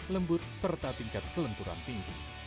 lembut serta tingkat kelenturan tinggi